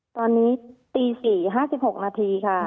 ตอนนี้ตี๔๕๖นาทีค่ะ